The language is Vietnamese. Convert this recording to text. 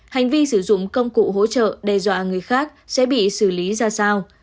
hành vi sử dụng công cụ hỗ trợ đe dọa người khác sẽ bị xử lý ra sao